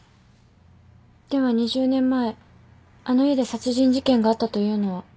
では２０年前あの家で殺人事件があったというのは？